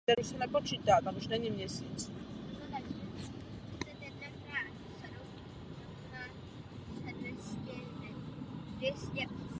Jako celek pak má model působit realisticky.